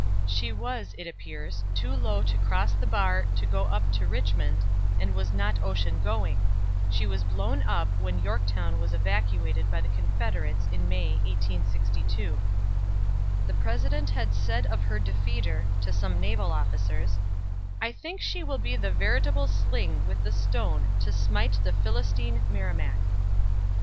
She was, it appears, too low to cross the bar to go up to Richmond, and was not ocean going; she was blown up when Yorktown was evacuated by the Confederates in May, 1862. The President had said of her defeater, to some naval officers: "I think she will be the veritable sling with the stone to smite the Philistine Merrimac."